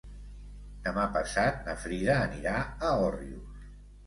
Demà passat na Frida anirà a Òrrius.